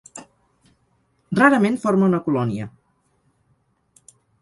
Rarament forma una colònia.